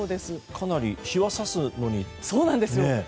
かなり日は差すのにね。